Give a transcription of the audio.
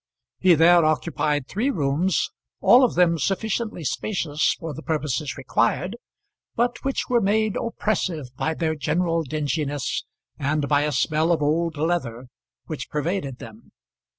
He there occupied three rooms, all of them sufficiently spacious for the purposes required, but which were made oppressive by their general dinginess and by a smell of old leather which pervaded them.